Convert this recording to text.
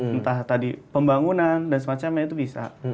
entah tadi pembangunan dan semacamnya itu bisa